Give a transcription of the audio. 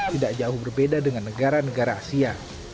tidak jauh berbeda dengan negara negara asia